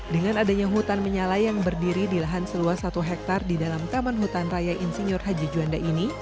dengan adanya hutan menyala yang berdiri di lahan seluas satu hektare di dalam taman hutan raya insinyur haji juanda ini